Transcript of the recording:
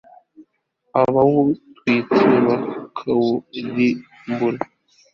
abawutwitse bakawurimbura